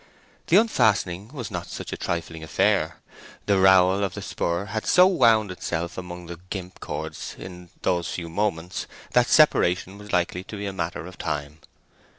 The unfastening was not such a trifling affair. The rowel of the spur had so wound itself among the gimp cords in those few moments, that separation was likely to be a matter of time.